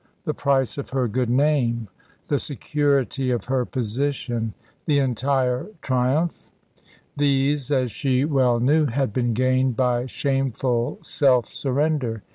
The price of her good name, the security of her position, the entire triumph these, as she well knew, had been gained by shameful self surrender.